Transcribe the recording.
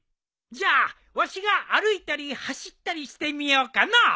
じゃあわしが歩いたり走ったりしてみようかのう。